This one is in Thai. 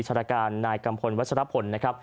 ชารการนายกัมพลวัชรพลนะครับ